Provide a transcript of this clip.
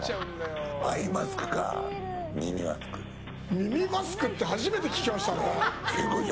耳マスクって初めて聞きましたね。